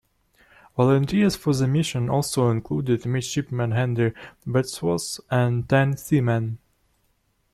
Volunteers for the mission also included Midshipman Henry Wadsworth and ten seamen.